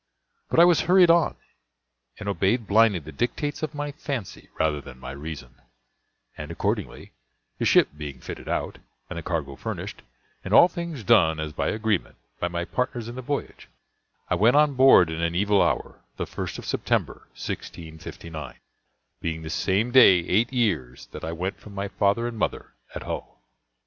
But I was hurried on, and obeyed blindly the dictates of my fancy rather than my reason; and, accordingly, the ship being fitted out, and the cargo furnished, and all things done as by agreement, by my partners in the voyage, I went on board in an evil hour, the lst of September, 1659, being the same day eight years that I went from my father and mother at Hull.